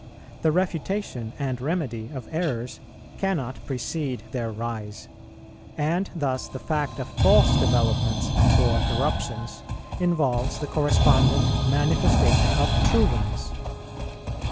The refutation and remedy of errors cannot precede their rise; and thus the fact of false developments or corruptions involves the correspondent manifestation of true ones.